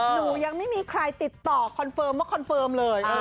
หนูยังไม่มีใครติดต่อคอนเฟิร์มว่าคอนเฟิร์มเลย